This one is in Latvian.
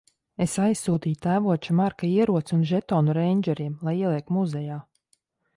Es aizsūtīju tēvoča Marka ieroci un žetonu reindžeriem - lai ieliek muzejā.